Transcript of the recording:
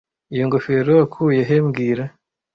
Iyo ngofero wakuye he mbwira